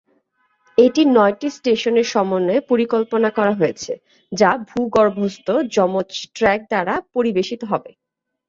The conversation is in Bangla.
এটি নয়টি স্টেশনের সমন্বয়ে পরিকল্পনা করা হয়েছে, যা ভূগর্ভস্থ যমজ ট্র্যাক দ্বারা পরিবেশিত হবে।